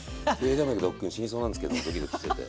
動脈どっくん死にそうなんですけどドキドキしてて。